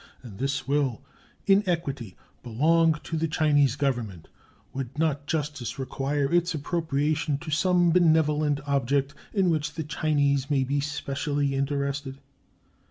As this will, in equity, belong to the Chinese Government, would not justice require its appropriation to some benevolent object in which the Chinese may be specially interested?